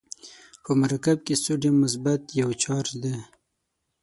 په مرکب کې سودیم مثبت یو چارج دی.